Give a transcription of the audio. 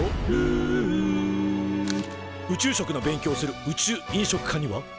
「ルウ」宇宙食の勉強をする宇宙飲食科には。